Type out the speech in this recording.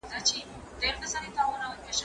درسونه د ښوونکو له خوا ښوول کيږي؟